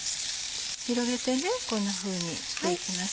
広げてこんなふうにしていきます。